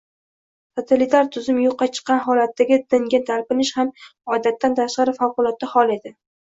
totalitar tuzum yo‘qqa chiqqan holatdagi dinga talpinish ham odatdan tashqari – favqulodda hol edi.